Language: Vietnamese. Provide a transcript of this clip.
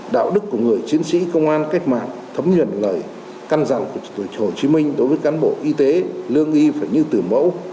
đạo đức của người chiến sĩ công an cách mạng thấm nhuận lời căn dặn của tổ chức hồ chí minh đối với cán bộ y tế lương nghi phải như tử mẫu